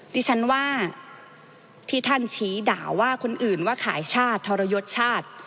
ดิฉันว่าที่ท่านชี้ด่าว่าคนอื่นว่าขายชาติทรยศชาติ